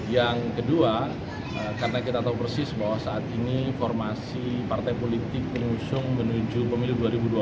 yang kedua karena kita tahu persis bahwa saat ini formasi partai politik pengusung menuju pemilu dua ribu dua puluh empat